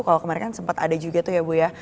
kalau kemarin kan sempat ada juga tuh ya bu ya